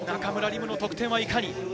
夢の得点はいかに。